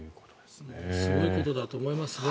すごいことだと思いますね。